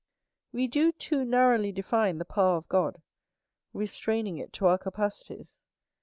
We do too narrowly define the power of God, restraining it to our capacities.